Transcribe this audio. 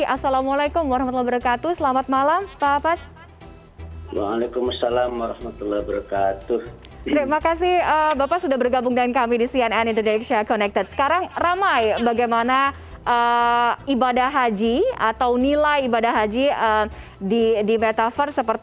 assalamualaikum wr wb selamat malam pak abbas